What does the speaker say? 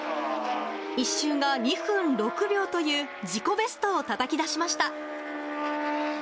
１周が２分６秒という自己ベストをたたき出しました。